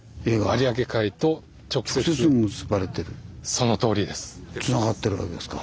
そのとおりです。